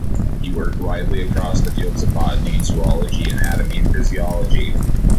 He worked widely across the fields of botany, zoology, anatomy and physiology.